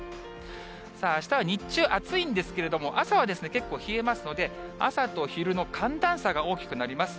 さあ、あしたは日中暑いんですけれども、朝は結構冷えますので、朝と昼の寒暖差が大きくなります。